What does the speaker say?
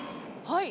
はい！